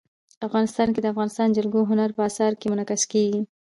افغانستان کې د افغانستان جلکو د هنر په اثار کې منعکس کېږي.